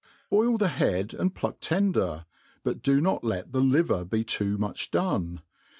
BOIL the head and pluck tender, but do n6t let the liver be too much' done.